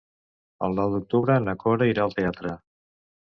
El nou d'octubre na Cora irà al teatre.